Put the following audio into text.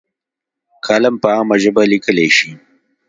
کالم په عامه ژبه لیکلی شي.